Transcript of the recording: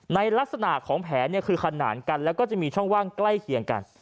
ในลักษณะของแผลคือขนานกันแล้วก็จะมีช่องว่างใกล้เคียงกัน